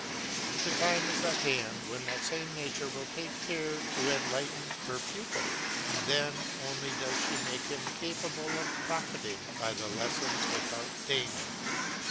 The time is at hand when that same nature will take care to enlighten her pupil, and then only does she make him capable of profiting by the lessons without danger.